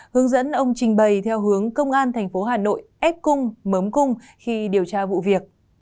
hướng dẫn ông trình bày theo hướng công an tp hà nội ép cung mớm cung khi điều tra vụ việc